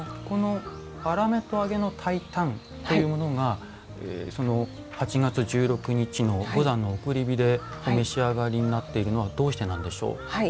この「あらめと揚げの炊いたん」というものが８月１６日の五山の送り火でお召し上がりになっているのはどうしてなんでしょう？